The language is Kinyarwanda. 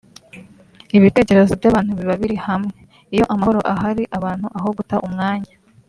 ibitekerezo by’abantu biba biri hamwe; iyo amahoro ahari abantu aho guta umwanya